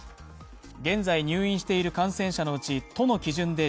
現在入院している感染者のうち、都の基準で